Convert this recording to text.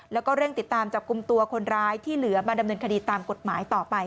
แล้วก็เร่งติดตามจับกลุ่มตัวคนร้ายที่เหลือมาดำเนินคดีตามกฎหมายต่อไป